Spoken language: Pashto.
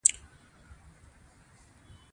کویلیو د کورنۍ له فشارونو سره مخ شو.